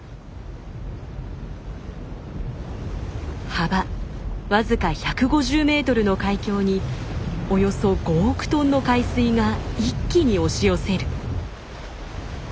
幅わずか１５０メートルの海峡におよそ５億トンの海水が一気に押し寄せる。